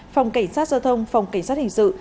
phòng cảnh sát giao thông phòng cảnh sát hình sự